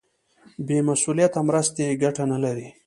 بې مسولیته مرستې ګټه نه لري.